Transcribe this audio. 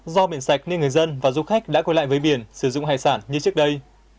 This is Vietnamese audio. do biển sạch nên người dân và du khách đã quay lại với biển sử dụng hải sản như trước đây